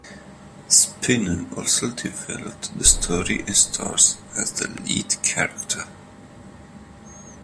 Spinell also developed the story and stars as the lead character.